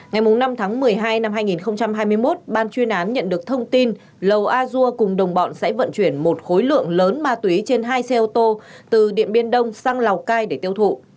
ngày năm tháng một mươi hai năm hai nghìn hai mươi một ban chuyên án nhận được thông tin lầu a dua cùng đồng bọn sẽ vận chuyển một khối lượng lớn ma túy trên hai xe ô tô từ điện biên đông sang lào cai để tiêu thụ